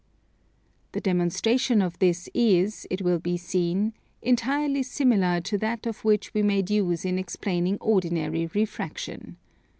The demonstration of this is, it will be seen, entirely similar to that of which we made use in explaining ordinary refraction.